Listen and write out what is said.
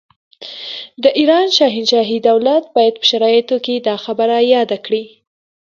د ایران شاهنشاهي دولت باید په شرایطو کې دا خبره یاده کړي.